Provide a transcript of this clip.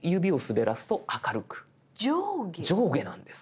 上下なんです。